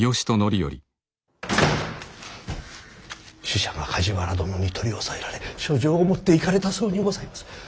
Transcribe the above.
使者が梶原殿に取り押さえられ書状を持っていかれたそうにございます。